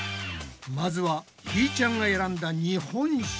まずはひーちゃんが選んだ日本酒。